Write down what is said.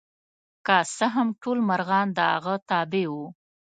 که څه هم ټول مرغان د هغه تابع وو.